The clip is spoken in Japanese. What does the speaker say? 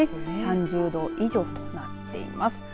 ３０度以上となっています。